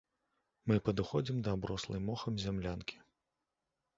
Мы падыходзім да аброслай мохам зямлянкі.